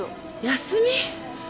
休み！？